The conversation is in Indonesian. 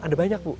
ada banyak bu